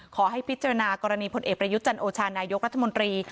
ขอให้พิจารณากรณีพลเอกประยุทธ์จันโอชานายกรัฐมนตรี